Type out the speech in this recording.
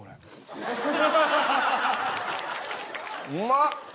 うまっ！